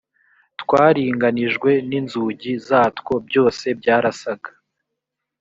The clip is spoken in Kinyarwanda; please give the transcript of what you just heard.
twaringanijwe n inzugi zatwo byose byarasaga